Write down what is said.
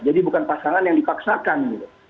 jadi bukan pasangan yang dipaksakan gitu